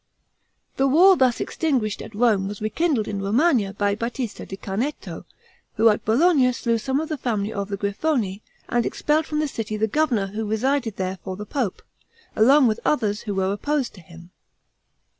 The war thus extinguished at Rome was rekindled in Romagna by Batista da Canneto, who at Bologna slew some of the family of the Grifoni, and expelled from the city the governor who resided there for the pope, along with others who were opposed to him.